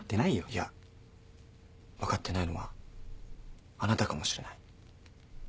いや分かってないのはあなたかもしれない。